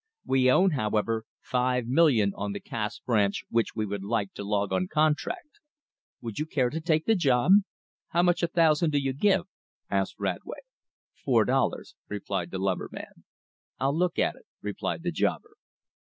We own, however, five million on the Cass Branch which we would like to log on contract. Would you care to take the job?" "How much a thousand do you give?" asked Radway. "Four dollars," replied the lumberman. "I'll look at it," replied the jobber.